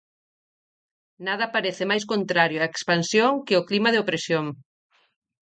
Nada parece máis contrario á expansión que o clima de opresión.